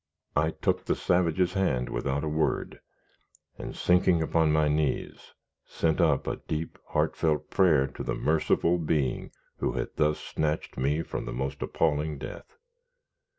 I took the savage's hand without a word, and, sinking upon my knees, sent up a deep, heartfelt prayer to the Merciful Being who had thus snatched me from the most appalling death.